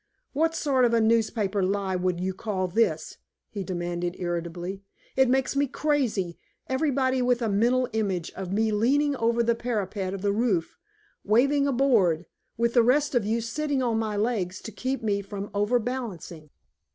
"What sort of a newspaper lie would you call this?" he demanded irritably. "It makes me crazy; everybody with a mental image of me leaning over the parapet of the roof, waving a board, with the rest of you sitting on my legs to keep me from overbalancing!"